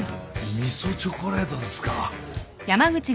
味噌チョコレートですか。